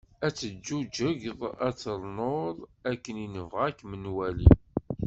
Ad teǧğuğegḍ ad trennuḍ, akken i nebɣa ad kem-nwali."